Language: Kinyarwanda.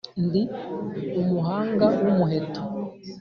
Ndi umuhanga w’ umuheto.